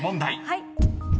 はい。